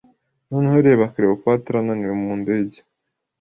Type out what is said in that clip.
Noneho reba Cleopatra ananiwe mu ndege